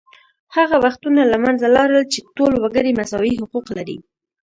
هغه وختونه له منځه لاړل چې ټول وګړي مساوي حقوق لري